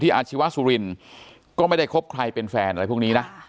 อาชีวะสุรินก็ไม่ได้คบใครเป็นแฟนอะไรพวกนี้นะ